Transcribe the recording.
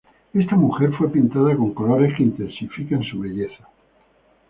Esta mujer fue pintada con colores que intensifican su belleza.